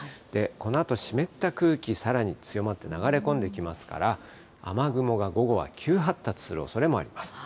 このあと、湿った空気、さらに強まって流れ込んできますから、雨雲が午後は急発達するおそれもあります。